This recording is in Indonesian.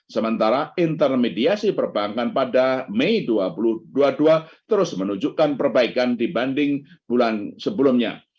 sementara intermediasi perbankan pada mei dua ribu dua puluh dua terus menunjukkan perbaikan dibanding bulan sebelumnya